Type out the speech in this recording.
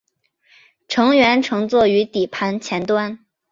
乘员乘坐于底盘前端。